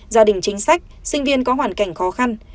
gia đình chính sách sinh viên có hoàn cảnh khó khăn